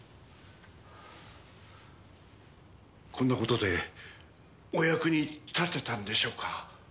こんな事でお役に立てたんでしょうか。